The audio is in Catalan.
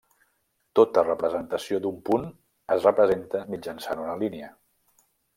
Tota representació d'un punt es representa mitjançant una línia.